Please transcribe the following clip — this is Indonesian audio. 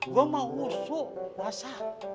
gue mau usuk masa